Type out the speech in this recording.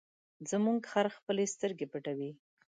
زموږ خر خپلې سترګې پټوي.